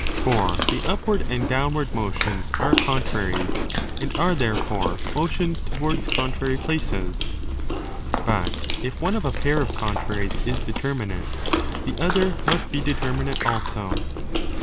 For the upward and downward motions are contraries and are there fore motions towards contrary places. But if one of a pair 10 of contraries is determinate, the other must be determinate also.